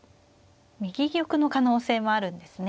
右玉の可能性もあるんですね。